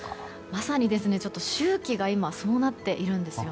まさに周期が今、そうなっているんです。